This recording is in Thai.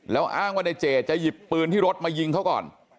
แล้วอ้างว่าในเจดจะหยิบปืนที่รถมายิงเขาก่อน